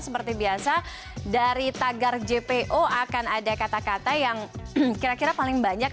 seperti biasa dari tagar jpo akan ada kata kata yang kira kira paling banyak